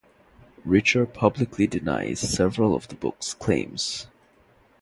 Richer publicly denies several of the book's claims.